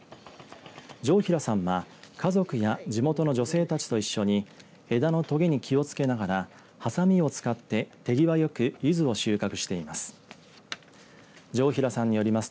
城平さんは家族や地元の女性たちと一緒に枝のとげに気をつけながらはさみを使って手際よくゆずを収穫しています。